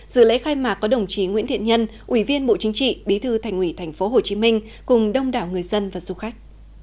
dự lễ khai mạc có đồng chí nguyễn thiện nhân ủy viên bộ chính trị bí thư thành ủy tp hcm cùng đông đảo người dân và du khách